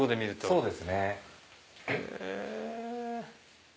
そうです。